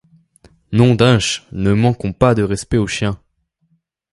Nom d’unch ! ne manquons pas de respect aux chiens.